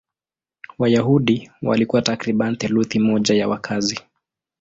Wayahudi walikuwa takriban theluthi moja ya wakazi.